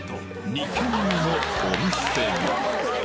２軒目のお店は？